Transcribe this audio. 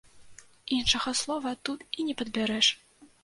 Іншага слова тут і не падбярэш!